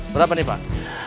berapa nih pak